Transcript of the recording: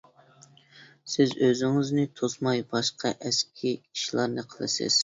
سىز ئۆزىڭىزنى توسماي، باشقا ئەسكى ئىشلارنى قىلىسىز.